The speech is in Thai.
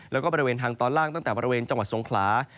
แล้วก็บริเวณทางตอนล่างตั้งแต่บริเวณจังหวัดสงขลา